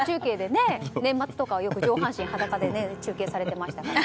年末とか、上半身裸で中継されてましたね。